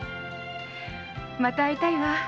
また会いたいわ。